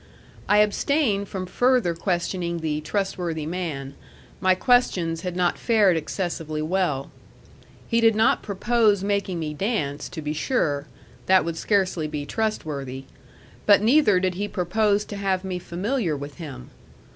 I abstained from further questioning the "trustworthy man." My questions had not fared excessively well. He did not propose making me dance, to be sure: that would scarcely be trustworthy. But neither did he propose to have me familiar with him.